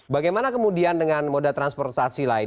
bagaimana kemudian dengan moda transportasi lain